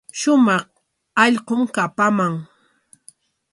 Shumaq allqum kapaman.